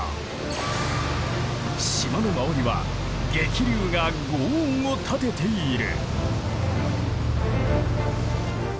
島の周りは激流が轟音を立てている！